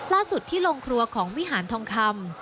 ที่โรงครัวของวิหารทองคำ